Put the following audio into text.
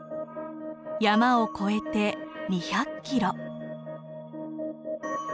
山を越えて２００キロ。